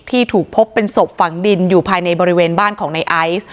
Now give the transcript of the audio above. ถูกพบเป็นศพฝังดินอยู่ภายในบริเวณบ้านของในไอซ์